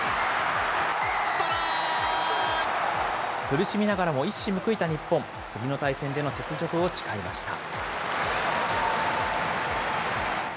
苦しみながらも一矢報いた日本、次の対戦での雪辱を誓いました。